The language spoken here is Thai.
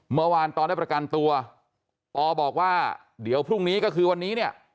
เมื่อวานตอนได้ประกันตัวปอบอกว่าเดี๋ยวพรุ่งนี้ก็คือวันนี้เนี่ย